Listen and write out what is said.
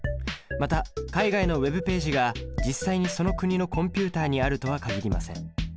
また海外のＷｅｂページが実際にその国のコンピュータにあるとは限りません。